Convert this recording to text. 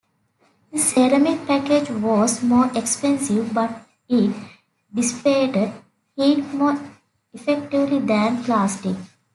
The ceramic package was more expensive, but it dissipated heat more effectively than plastic.